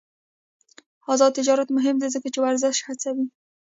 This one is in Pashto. آزاد تجارت مهم دی ځکه چې ورزش هڅوي.